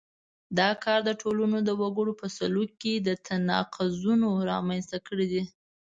دا کار د ټولنو وګړو په سلوک کې تناقضونه رامنځته کړي دي.